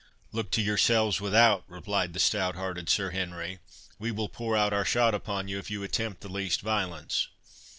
"Look to yourselves without," replied the stout hearted Sir Henry; "we will pour our shot upon you, if you attempt the least violence."